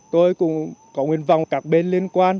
tôi cũng có nguyên vọng các bên liên quan